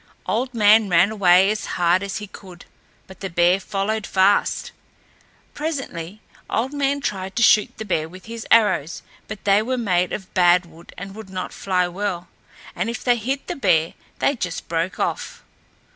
Old Man ran away as hard as he could, but the bear followed fast. Presently, Old Man tried to shoot the bear with his arrows, but they were made of bad wood and would not fly well, and if they hit the bear, they just broke off.